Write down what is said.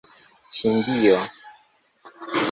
Hindio